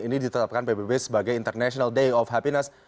ini ditetapkan pbb sebagai international day of happiness